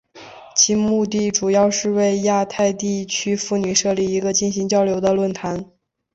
其目的主要是为亚太地区妇女设立一个进行交流的论坛。